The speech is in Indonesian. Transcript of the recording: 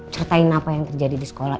ceritain apa yang terjadi di sekolah